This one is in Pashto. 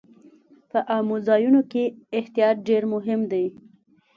په عامو ځایونو کې احتیاط ډېر مهم دی.